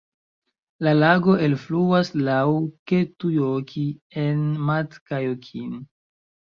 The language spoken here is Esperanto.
La lago elfluas laŭ Kettujoki en Matkajokin.